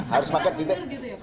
harus paket gitu